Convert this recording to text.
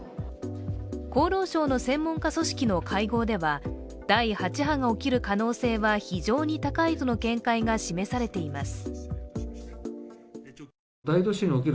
厚労省の専門家組織の会合では第８波が起きる可能性は非常に高いとの見解が示されています。